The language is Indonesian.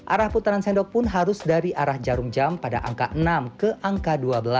arah putaran sendok pun harus dari arah jarum jam pada angka enam ke angka dua belas